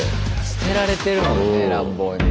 捨てられてるもんね乱暴に。